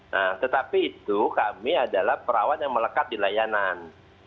nah tetapi itu kami adalah perawat yang melekat di layanan